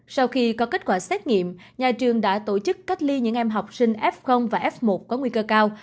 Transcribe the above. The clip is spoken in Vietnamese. sau khi có kết quả xét nghiệm nhà trường đã tổ chức cách ly những em học sinh f và f một có nguy cơ cao